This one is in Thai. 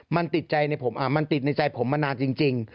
มันติดใจในผมมานานจริง